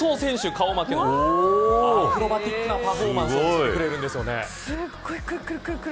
顔負けのアクロバティックなパフォーマンスをしてくれるんですよね。